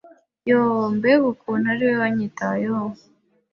Yoo mbega ukuntu ari we wanyitayeho